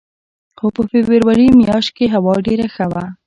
خو په فبروري میاشت کې هوا ډېره ښه وه.